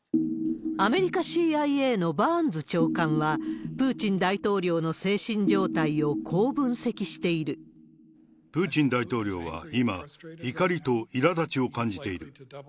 アメリカ、ＣＩＡのバーンズ長官は、プーチン大統領の精神状態をこう分析しプーチン大統領は今、怒りといらだちを感じている。